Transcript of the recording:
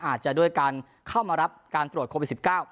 อาจจะด้วยการเข้ามารับการตรวจโควิด๑๙